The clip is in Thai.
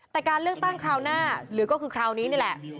แต่การเลือกตั้งคราวหน้าหรือก็คือคราวนี้นี่แหละ